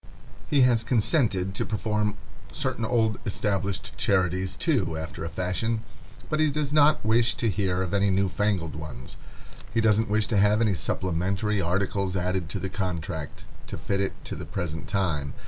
He has consented to perform certain old established charities, too, after a fashion, but he does not wish to hear of any new fangled ones; he doesn't wish to have any supplementary articles added to the contract, to fit it to the present time.